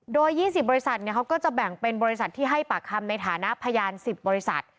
โดย๒๐บริษัทเขาก็จะแบ่งเป็นบริษัทที่ให้ปากคำในฐานะพยาน๑๐บริษัท